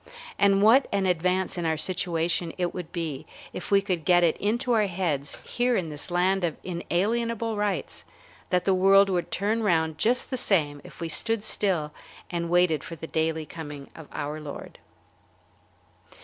And what an advance in our situation it would be if we could get it into our heads here in this land of inalienable rights that the world would turn round just the same if we stood still and waited for the daily coming of our Lord!